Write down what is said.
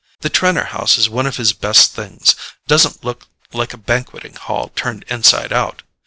The Trenor house is one of his best things—doesn't look like a banqueting hall turned inside out.